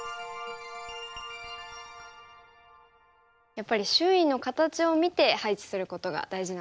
やっぱり周囲の形を見て配置することが大事なんですね。